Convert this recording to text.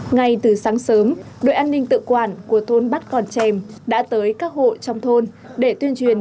ngay từ sáng sớm đội an ninh tự quản của thôn bắt còn chèm đã tới các hộ trong thôn để tuyên truyền